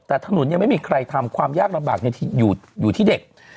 แต่ถนนเนี้ยไม่มีใครทำความยากลำบากเนี้ยที่อยู่อยู่ที่เด็ก